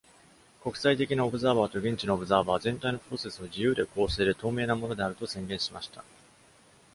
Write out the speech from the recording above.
国際的なオブザーバーと現地のオブザーバーは、全体のプロセスを自由で、公正で、透明なものであると宣言しました。